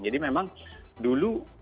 jadi memang dulu